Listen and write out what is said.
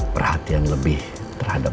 perhatian lebih terhadap